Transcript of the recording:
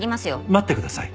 待ってください。